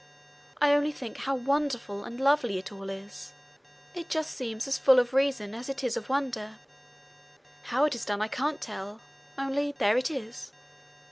I only think how wonderful and lovely it all is. It seems just as full of reason as it is of wonder. How it is done I can't tell, only there it is!